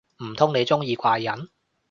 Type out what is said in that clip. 唔通你鍾意怪人